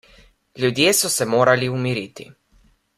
Ljudje so se morali umiriti.